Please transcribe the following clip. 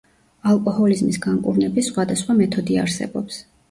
ალკოჰოლიზმის განკურნების სხვადასხვა მეთოდი არსებობს.